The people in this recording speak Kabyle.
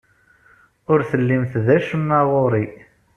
Ur tellimt d acemma ɣer-i.